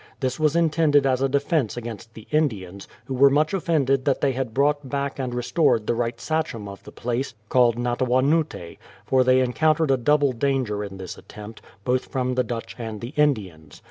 This was intended as a defence against the Indians, who were much offended that they had brought back and restored the right Sachem of the place, called Natav/anute ; so they encountered a double danger in this attempt, both from the Dutch and the Indians.